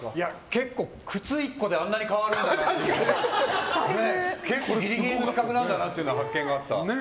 結構、靴１個であんなに変わるんだなって結構ギリギリの企画なんだなっていう発見があった。